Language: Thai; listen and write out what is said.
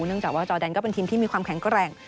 เนื่องจากว่าจอแดนก็เป็นทีมที่มีความแข็งแกร่ง